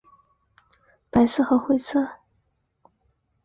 车站拱顶是白色和灰色。